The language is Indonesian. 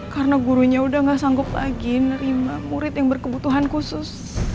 karena gurunya udah gak sanggup lagi nerima murid yang berkebutuhan khusus